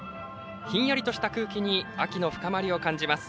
ひんやりとした空気に秋の深まりを感じます。